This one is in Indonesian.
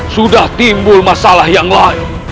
sudah timbul masalah yang lain